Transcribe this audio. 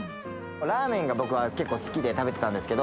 ラーメンが僕は結構好きで食べてたんですけど。